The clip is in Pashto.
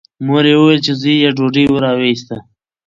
مور یې وویل چې زوی یې ډوډۍ راوایسته.